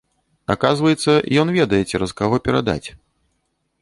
Аказваецца, ён ведае цераз каго перадаць.